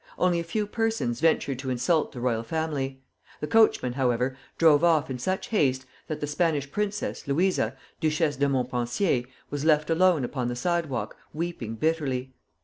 Only a few persons ventured to insult the royal family. The coachmen, however, drove off in such haste that the Spanish princess, Luisa, Duchesse de Montpensier, was left alone upon the sidewalk, weeping bitterly.